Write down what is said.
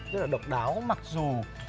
rất là độc đáo mặc dù